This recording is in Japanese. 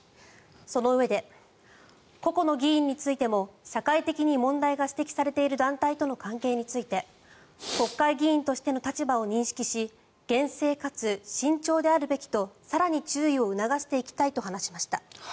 そのうえで個々の議員についても社会的に問題が指摘されている団体との関係について国会議員としての立場を認識し厳正かつ慎重であるべきと更に注意を促していきたいと話していました。